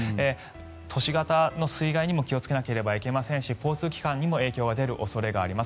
都市型の水害にも気をつけなければいけませんし交通機関にも影響が出る恐れがあります。